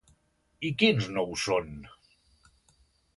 I quins no ho són?